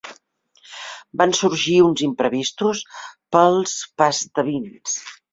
Van sorgir usos imprevistos pels "pastebins".